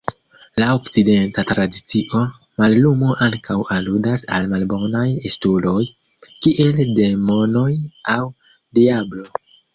Laŭ Okcidenta tradicio, mallumo ankaŭ aludas al malbonaj estuloj, kiel demonoj aŭ Diablo.